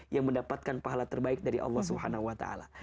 yang mendapatkan pahala terbaik dari allah swt